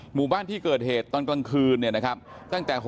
หมู่บ้านที่เกิดเหตุตอนกลางคืนเนี่ยนะครับตั้งแต่